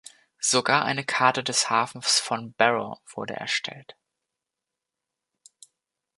Sogar eine Karte des Hafens von Barrow wurde erstellt.